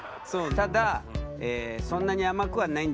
ただそんなに甘くはないんだよね。